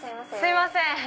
すいません。